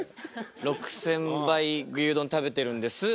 「６０００杯牛丼食べてるんです」